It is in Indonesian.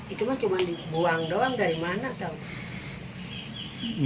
itu cuma dibuang doang dari mana